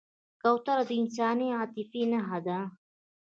کوتره د انساني عاطفې نښه ده.